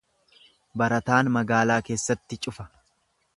Barataan magaalaa keessatti cufa.